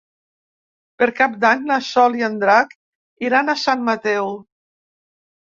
Per Cap d'Any na Sol i en Drac iran a Sant Mateu.